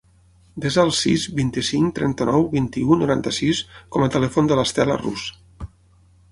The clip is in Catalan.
Desa el sis, vint-i-cinc, trenta-nou, vint-i-u, noranta-sis com a telèfon de l'Estela Ruz.